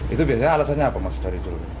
itu biasanya alasannya apa maksudnya